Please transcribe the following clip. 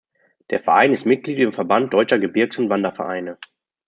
Der Verein ist Mitglied im Verband Deutscher Gebirgs- und Wandervereine.